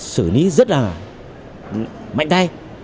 xử lý rất là mạnh tay